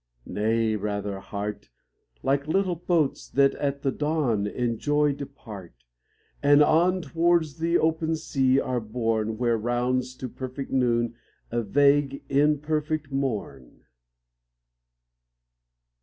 Nay rather, Heart, Like little boats that at the dawn In joy depart, And on towards the open sea are borne, Where rounds to perfect noon, a vague, imperfect morn.